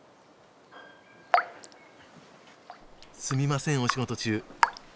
すみませんお仕事中。